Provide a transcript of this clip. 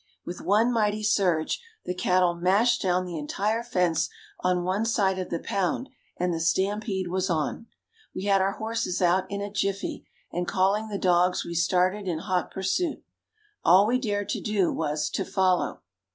With one mighty surge the cattle mashed down the entire fence on one side of the "pound" and the stampede was on. We had our horses out in a "jiffy" and calling the dogs we started in hot pursuit. All we dared to do was "to follow."